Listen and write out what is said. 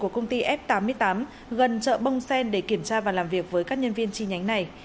của công ty f tám mươi tám gần chợ bông sen để kiểm tra và làm việc với các nhân viên chi nhánh này